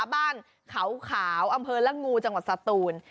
บ้านเขาขาวอำเภอละงูจังหวัดสตูน